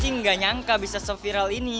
nggak nyangka bisa se viral ini